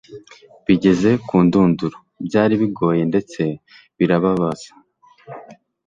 bigeze ku ndunduro. byari bigoye ndetse birababaza